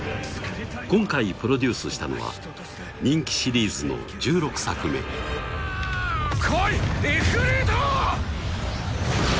今回プロデュースしたのは人気シリーズの１６作目「来いイフリート！」